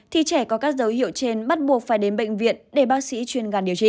thì trẻ có các dấu hiệu trên bắt buộc phải đến bệnh viện để bác sĩ chuyên ngành điều trị